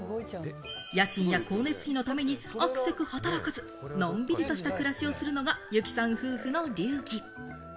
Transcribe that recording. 家賃や光熱費のためにあくせく働かず、のんびりとした暮らしをするのが由季さん夫婦の流儀。